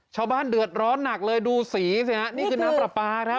ชาวบ้านเดือดร้อนหนักเลยดูสีสิฮะนี่คือน้ำปลาปลาครับ